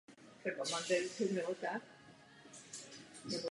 V obou publikacích představuje různé typy těchto záhadných bytostí.